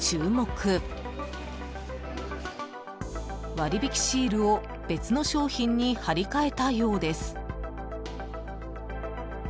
［割引シールを別の商品に貼り替えたようです］